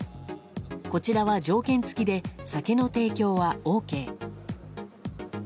こちらは条件付きで酒の提供はＯＫ。